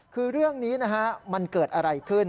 คือเรื่องนี้นะฮะมันเกิดอะไรขึ้น